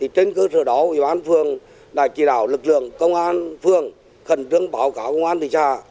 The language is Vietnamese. trên cơ sở đó ủy ban phường đã chỉ đạo lực lượng công an phường khẩn trương báo cáo công an thị xã